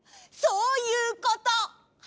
そういうこと！